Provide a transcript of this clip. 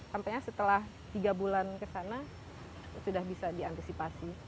sampainya setelah tiga bulan ke sana sudah bisa diantisipasi